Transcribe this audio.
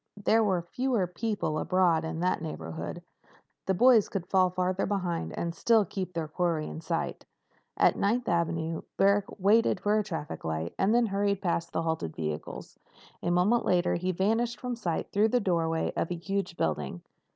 There were fewer people abroad in that neighborhood. The boys could fall farther behind and still keep their quarry in sight. At Ninth Avenue, Barrack waited for a traffic light and then hurried past the halted vehicles. A moment later he vanished from sight through the doorway of a huge building.